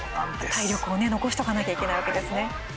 体力を残しとかなきゃいけないわけですね。